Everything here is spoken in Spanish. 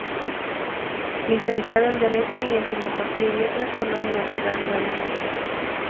Licenciado en Derecho y en Filosofía y Letras por la Universidad de Valencia.